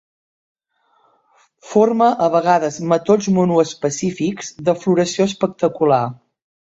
Forma a vegades matolls monoespecífics de floració espectacular.